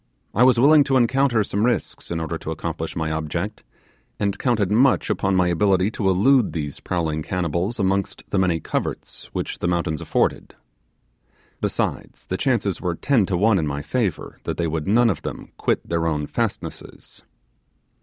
I was willing to encounter some risks in order to accomplish my object, and counted much upon my ability to elude these prowling cannibals amongst the many coverts which the mountains afforded. Besides, the chances were ten to one in my favour that they would none of them quit their own fastnesses.